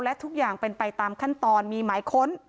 และทุกอย่างเป็นไปตามขั้นตอนมีหมายค้น